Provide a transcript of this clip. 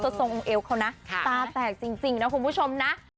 เศรษฐ์ทรงเอวค์ค่ะตาแตกจริงนะคุณผู้ชมนะ